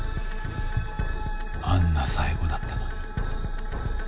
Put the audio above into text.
あんな最期だったのに？